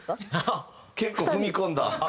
結構踏み込んだ。